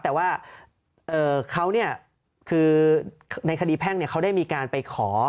แต่ว่าเขาเนี่ยคือในคดีแพ่งเขาได้มีการไปขอ